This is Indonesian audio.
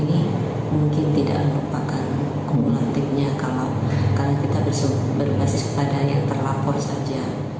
mungkin tidak melupakan kumulatifnya kalau kita berbasis kepada yang terlapor saja